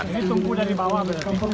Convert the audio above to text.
ini tunggu dari bawah